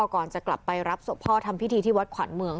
ก่อนจะกลับไปรับศพพ่อทำพิธีที่วัดขวัญเมือง